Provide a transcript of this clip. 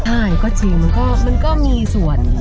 ใช่ก็จริงมันก็มีส่วน